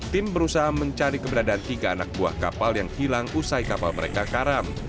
tim berusaha mencari keberadaan tiga anak buah kapal yang hilang usai kapal mereka karam